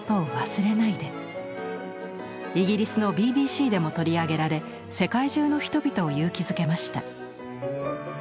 イギリスのＢＢＣでも取り上げられ世界中の人々を勇気づけました。